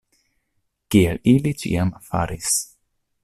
Kiel ili ĉiam faris.